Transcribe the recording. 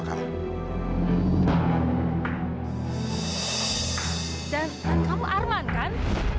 kamu arman kan